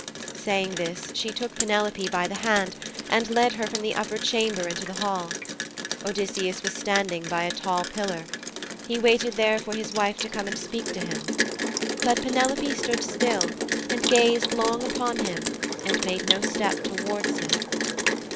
Saying this she took Penelope by the hand and led her from the upper chamber into the hall. Odysseus was standing by a tall pillar. He waited there for his wife to come and speak to him. But Penelope stood still, and gazed long upon him, and made no step towards him.